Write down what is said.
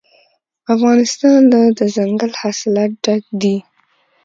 افغانستان له دځنګل حاصلات ډک دی.